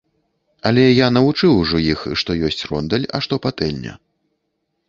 Але я навучыў ўжо іх, што ёсць рондаль, а што патэльня.